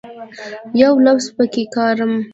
یو لفظ پکښې کرم